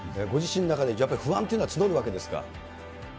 ご自身の中で、やっぱり不安というのは募るわけですか。